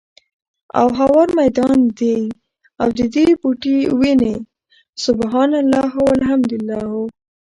او هوار ميدان دی، او ددي بوټي وني سُبْحَانَ اللهِ، وَالْحَمْدُ للهِ